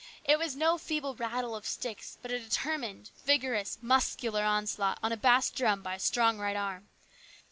It was no feeble rattle of sticks, but a determined, vigorous, muscular onslaught on a bass drum by a strong right arm.